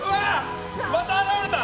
また現れた！